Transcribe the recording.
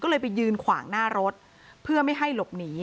ก็เลยไปยืนขวางหน้ารถเพื่อไม่ให้หลบหนี